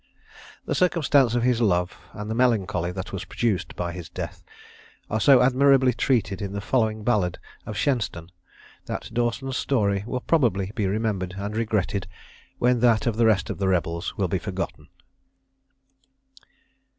The circumstance of his love, and the melancholy that was produced by his death, are so admirably treated in the following ballad of Shenstone, that Dawson's story will probably be remembered and regretted when that of the rest of the rebels will be forgotten.